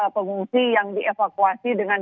pengungsi yang dievakuasi dengan